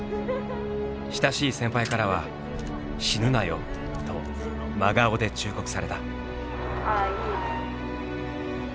親しい先輩からは「死ぬなよ」と真顔で忠告された。